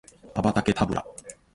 アバタケタブラ